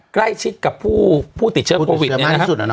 ใกล้ชิดกับผู้ติดเชื้อโควิดเนี่ยนะครับ